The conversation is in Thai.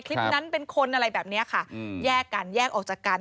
คลิปนั้นเป็นคนอะไรแบบนี้ค่ะแยกกันแยกออกจากกัน